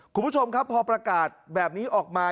คุณผู้ชมครับพอประกาศแบบนี้ออกมา